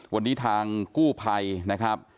วันนี้ทางกู้ภัยนะครับ